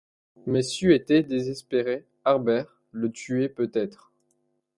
Mais c’eût été désespérer Harbert, le tuer peut-être.